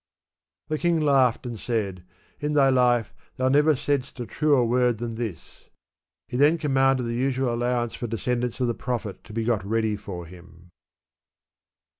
The king laughed and said, " In thy life thou never said'st a truer word than this." He then commanded the usual allowance for descendants of the Prophet to be got ready for him.